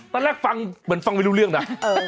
ตอนแรกฟังเหมือนฟังไม่รู้เรื่องนะ